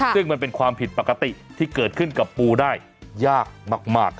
ซึ่งมันเป็นความผิดปกติที่เกิดขึ้นกับปูได้ยากมาก